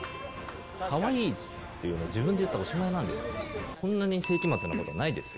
かわいいっていうの、自分で言ったらおしまいなんですよ。